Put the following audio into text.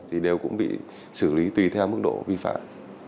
thì đều cũng bị xử lý tùy theo mức độ vi phạm